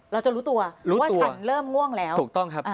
เราจะรู้ตัวว่าฉันเริ่มง่วงแล้วถูกต้องครับ